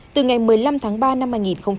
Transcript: từ ngày một mươi năm tháng ba năm hai nghìn hai mươi